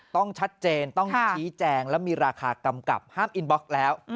ต้องชัดเจนต้องชี้แจงแล้วมีราคากำกับห้ามอินบ็อกซ์แล้ว